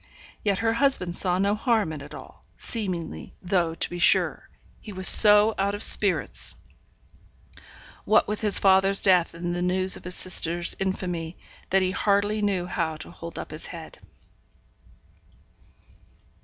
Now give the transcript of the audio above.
Yet her husband saw no harm in it all, seemingly; though, to be sure, he was so out of spirits, what with his father's death and the news of his sister's infamy, that he hardly knew how to hold up his head.